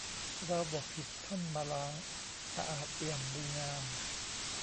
เราบ่ผิดท่านมาล้าง สะอาดเอี่ยม ดูงาม